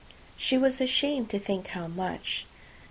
She was ashamed to think how much.